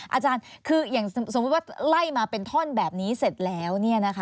อาจารย์คืออย่างสมมุติว่าไล่มาเป็นท่อนแบบนี้เสร็จแล้ว